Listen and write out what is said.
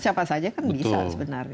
siapa saja kan bisa sebenarnya